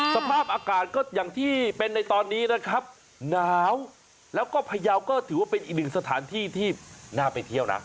สภาพอากาศก็อย่างที่เป็นในตอนนี้นะครับหนาวแล้วก็พยาวก็ถือว่าเป็นอีกหนึ่งสถานที่ที่น่าไปเที่ยวนะ